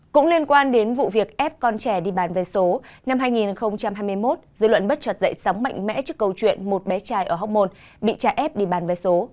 cũng liên quan đến vụ việc ép con trẻ đi bàn về số năm hai nghìn hai mươi một dư luận bất chặt dạy sóng mạnh mẽ trước câu chuyện một bé trai ở hóc môn bị trai ép đi bán vé số